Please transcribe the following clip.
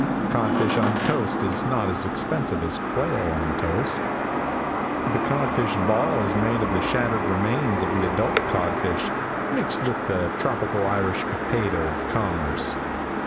Codfish on toast is not as expensive as quail on toast. The codfish ball is made of the shattered remains of the adult codfish, mixed with the tropical Irish potato of commerce.